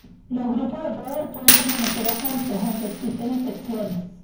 Los grupos de poder pueden permanecer ocultos, aunque existen excepciones.